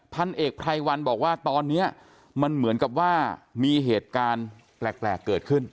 พันเอกไพรวันบอกว่าตอนนี้มันเหมือนกับว่ามีเหตุการณ์แปลกเกิดขึ้น